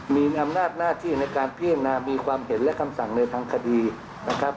มีอำนาจหน้าที่ในการพิจารณามีความเห็นและคำสั่งในทางคดีนะครับ